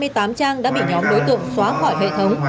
hai mươi tám trang đã bị nhóm đối tượng xóa khỏi hệ thống